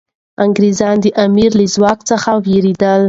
انګریزان د امیر له ځواک څخه ویرېدل.